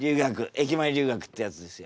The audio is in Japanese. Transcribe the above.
駅前留学ってやつですよ。